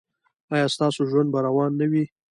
ایا ستاسو ژوند به روان نه وي؟